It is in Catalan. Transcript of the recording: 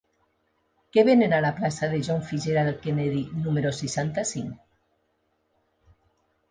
Què venen a la plaça de John F. Kennedy número seixanta-cinc?